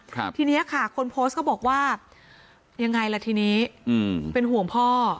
ทีเนี้ยค่ะคนโพสต์ก็บอกว่ายังไงล่ะทีนี้อืมเป็นห่วงพ่อ